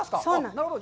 なるほど。